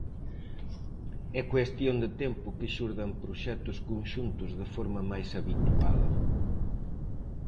É cuestión de tempo que xurdan proxectos conxuntos de forma máis habitual.